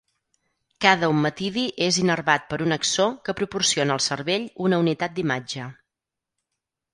Cada ommatidi és innervat per un axó que proporciona al cervell una unitat d'imatge.